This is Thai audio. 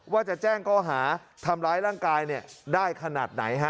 ว่าจะแจ้งก้อหาทำร้ายร่างกายได้ขนาดไหนฮะ